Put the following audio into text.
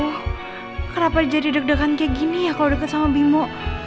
kenapa jadi deg degan kayak gini ya kalau deket sama bimo